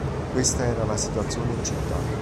Questa era la situazione in città.